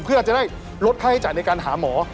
เพื่อจะได้ลดค่าใช้จ่ายในการหาหมอ